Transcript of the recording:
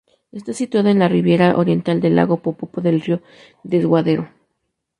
Está situada en la ribera oriental del Lago Poopó y del río Desaguadero.